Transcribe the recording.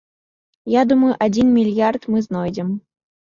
Я думаю, адзін мільярд мы знойдзем.